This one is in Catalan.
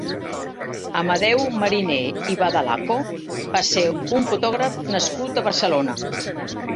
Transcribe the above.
Amadeu Mariné i Vadalaco va ser un fotògraf nascut a Barcelona.